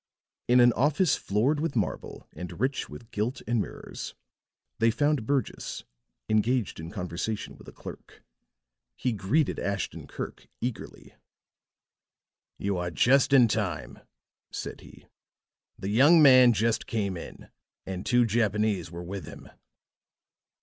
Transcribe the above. In an office floored with marble and rich with gilt and mirrors, they found Burgess, engaged in conversation with a clerk. He greeted Ashton Kirk eagerly. "You are just in time," said he. "The young man just came in, and two Japanese were with him."